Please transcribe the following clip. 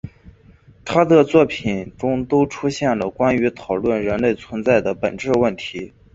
他的大多数作品中都出现了关于探讨人类存在的本质问题。